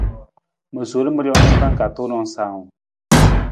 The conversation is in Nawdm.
Ma sol ma rijang jampa ka tuunang sawung.